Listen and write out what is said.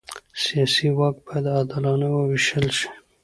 سیاسي واک باید عادلانه ووېشل شي